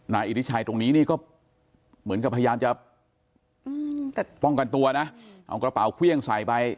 อิทธิชัยตรงนี้นี่ก็เหมือนกับพยายามจะป้องกันตัวนะเอากระเป๋าเครื่องใส่ไป